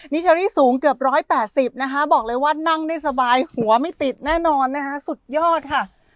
เชอรี่สูงเกือบ๑๘๐นะคะบอกเลยว่านั่งได้สบายหัวไม่ติดแน่นอนนะคะสุดยอดค่ะ